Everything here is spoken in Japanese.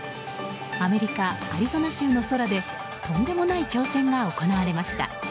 アメリカ・アリゾナ州の空でとんでもない挑戦が行われました。